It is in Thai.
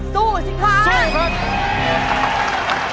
สู้สิคะ